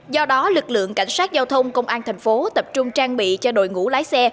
do đó lực lượng cảnh sát giao thông công an thành phố tập trung trang bị cho đội ngũ lái xe